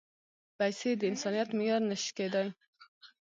پېسې د انسانیت معیار نه شي کېدای.